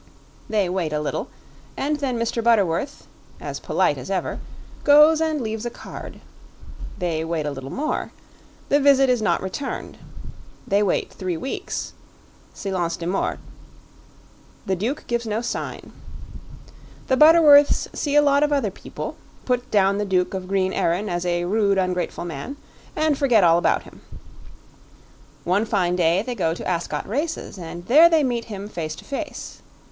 They wait a little, and then Mr. Butterworth as polite as ever goes and leaves a card. They wait a little more; the visit is not returned; they wait three weeks silence de mort the Duke gives no sign. The Butterworths see a lot of other people, put down the Duke of Green Erin as a rude, ungrateful man, and forget all about him. One fine day they go to Ascot Races, and there they meet him face to face.